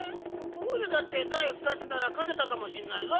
おいらだってだいふたつならかてたかもしんないぞ。